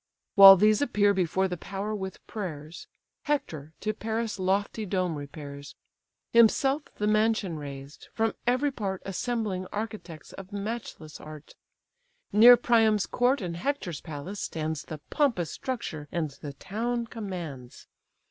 While these appear before the power with prayers, Hector to Paris' lofty dome repairs. Himself the mansion raised, from every part Assembling architects of matchless art. Near Priam's court and Hector's palace stands The pompous structure, and the town commands.